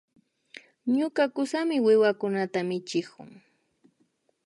Ñuka kusami wiwakunata michikun